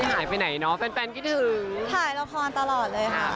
ถ่ายไปไหนนะแฟนกีฝ่าถ่ายละครตลอดเลยคะ